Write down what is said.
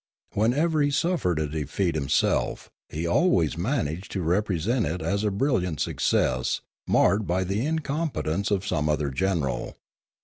Whenever he suffered defeat himself, he always managed to represent it as a brilliant success marred by the incompetence of some other general.